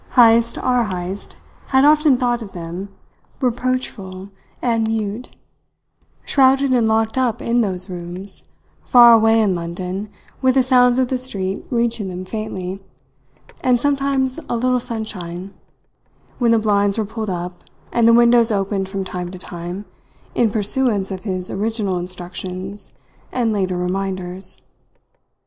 Heyst, our Heyst, had often thought of them, reproachful and mute, shrouded and locked up in those rooms, far away in London with the sounds of the street reaching them faintly, and sometimes a little sunshine, when the blinds were pulled up and the windows opened from time to time in pursuance of his original instructions and later reminders.